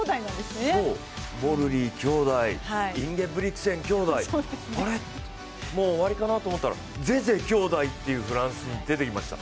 ボルリーきょうだい、インゲブリクセンきょうだいあれっ、もう終わりかなと思ったらゼゼ兄弟っていうフランス、出てきました。